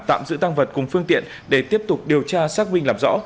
tạm giữ tăng vật cùng phương tiện để tiếp tục điều tra xác minh làm rõ